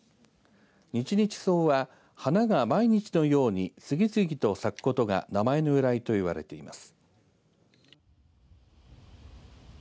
日々草は、花が毎日のように次々と咲くことが名前の由来と言われています。